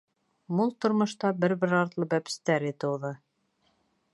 Мул тормошта бер-бер артлы бәпестәре тыуҙы.